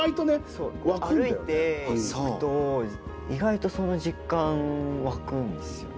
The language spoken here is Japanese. そう歩いていくと意外とその実感湧くんですよね。